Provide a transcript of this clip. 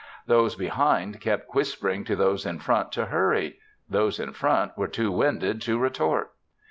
Those behind kept whispering to those in front to hurry; those in front were too winded to retort.